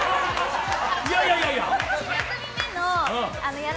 いやいやいや。